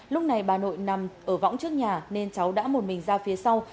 lúc này bà nội nằm ở võng trước nhà nên cháu đã một mình ra phía sau